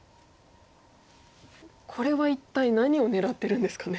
これは一体何を狙ってるんですかね。